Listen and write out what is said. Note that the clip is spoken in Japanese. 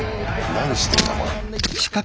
何してんだこれ。